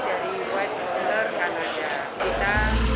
dari whitewater kanada